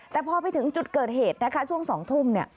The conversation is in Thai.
แต่พอไปถึงจุดเกิดเหตุนะคะช่วง๒ทุ่มเนี่ย